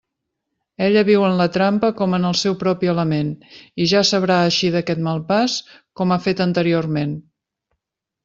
Ella viu en la trampa com en el seu propi element, i ja sabrà eixir d'aquest mal pas com ha fet anteriorment.